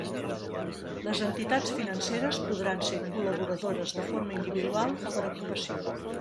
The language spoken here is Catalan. Les entitats financeres podran ser col·laboradores de forma individual o per agrupació.